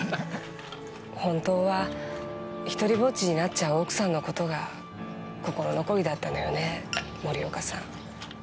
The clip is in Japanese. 本当はひとりぼっちになっちゃう奥さんの事が心残りだったのよね森岡さん。